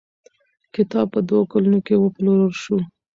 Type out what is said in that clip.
کتاب په دوو کلونو کې وپلورل شو.